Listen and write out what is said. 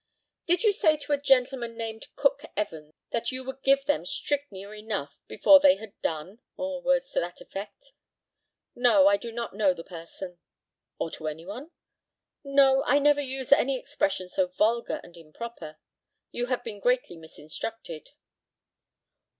Did you say to a gentleman named Cook Evans, that you would give them strychnia enough before they had done, or words to that effect? No; I do not know the person. Or to any one? No. I never used any expression so vulgar and improper. You have been greatly misinstructed.